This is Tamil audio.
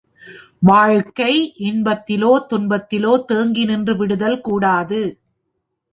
வாழ்க்கை இன்பத்திலோ, துன்பத்திலோ தேங்கி நின்று விடுதல் கூடாது.